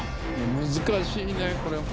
難しいねこれ。